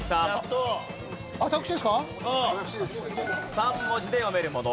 ３文字で読めるもの。